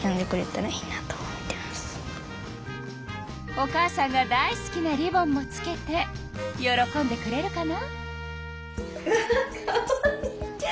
お母さんが大好きなリボンもつけて喜んでくれるかな？